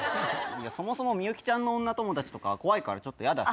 そもそもみゆきちゃんの女友達とか怖いから、ちょっと嫌だし。